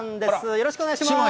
よろしくお願いします。